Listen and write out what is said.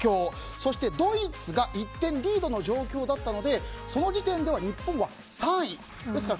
そしてドイツが１点リードの状況だったのでその時点では日本は３位。ですから